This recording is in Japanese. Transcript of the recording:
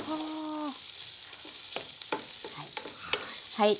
はい。